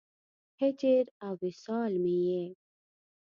هجر او وصال مې یې